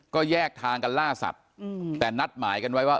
ก็แยกทางกันล่าสัตว์แต่นัดหมายกันไว้ว่า